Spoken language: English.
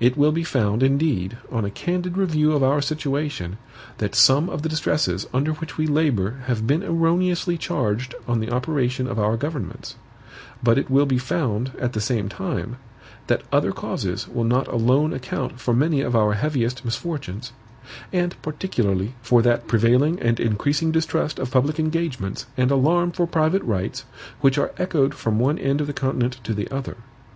It will be found, indeed, on a candid review of our situation, that some of the distresses under which we labor have been erroneously charged on the operation of our governments; but it will be found, at the same time, that other causes will not alone account for many of our heaviest misfortunes; and, particularly, for that prevailing and increasing distrust of public engagements, and alarm for private rights, which are echoed from one end of the continent to the other.